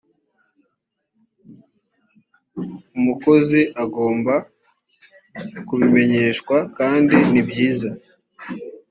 umukozi agomba kubimenyeshwa kandi nibyiza